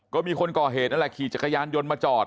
ก็มีคนก่อเหตุนั่นแหละขี่จักรยานยนต์มาจอด